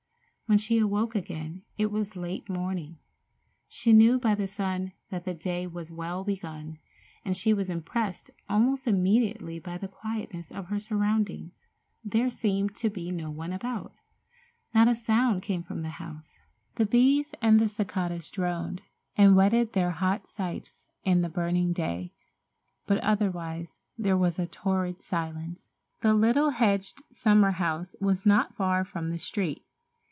When she awoke again it was late morning. She knew by the sun that the day was well begun, and she was impressed almost immediately by the quietness of her surroundings. There seemed to be no one about. Not a sound came from the house. The bees and the cicadas droned and whetted their hot scythes in the burning day, but otherwise there was a torrid silence. The little hedged summer house was not far from the street.